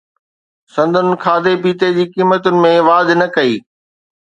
سندن کاڌي پيتي جي قيمتن ۾ واڌ نه ڪئي